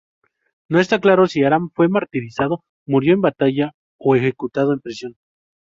No está claro si Aram fue martirizado, murió en batalla o ejecutado en prisión.